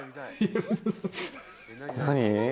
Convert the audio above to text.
何？